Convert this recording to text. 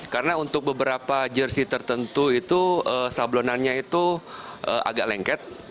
karena untuk beberapa jersi tertentu itu sablonannya itu agak lengket